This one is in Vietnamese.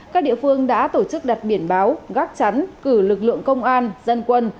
các địa phương đã tổ chức đặt biển báo gác chắn cử lực lượng công an dân quân